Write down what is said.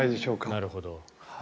なるほど。